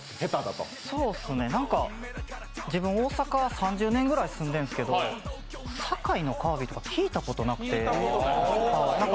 そうっすね、自分、大阪３０年ぐらい住んでるんですけど堺のカービィって聞いたことなくて。